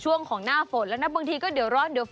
อยู่เกาหลีอยู่เลย